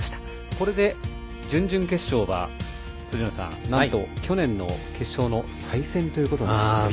これで準々決勝は辻野さん、なんと去年の決勝の再戦ということになりましたね。